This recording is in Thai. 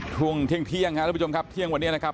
ทวงเที่ยงครับที่เที่ยงวันนี้นะครับ